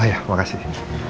oh ya makasih